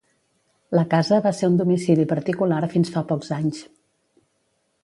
La casa va ser un domicili particular fins fa pocs anys.